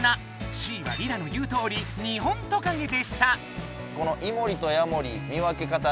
Ｃはリラの言うとおりニホントカゲでした。